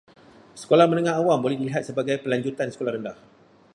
Sekolah menengah awam boleh dilihat sebagai pelanjutan sekolah rendah.